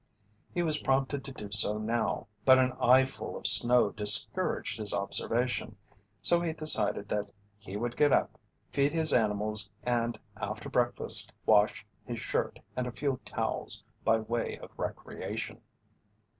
He was prompted to do so now, but an eyeful of snow discouraged his observation, so he decided that he would get up, feed his animals and, after breakfast, wash his shirt and a few towels by way of recreation.